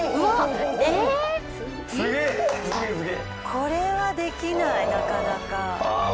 これはできないなかなか。